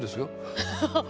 ハハハハ。